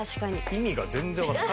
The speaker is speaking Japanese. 意味が全然わかんない。